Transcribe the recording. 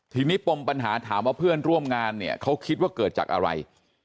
ทีนี้ปมปัญหาถามว่าเพื่อนร่วมงานเนี่ยเขาคิดว่าเกิดจากอะไร